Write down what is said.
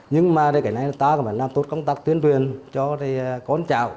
nhưng mà cái này ta phải làm tốt công tác tuyên truyền cho con cháu